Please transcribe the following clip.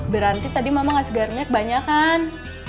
berarti tadi mama kasih garunya kebanyakan